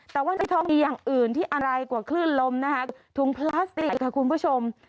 แต่ว่าในทองมีอย่างอื่นที่อะไรกว่าคลื่นลมนะคะถุงพลาสติกค่ะคุณผู้ชม